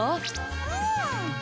うん！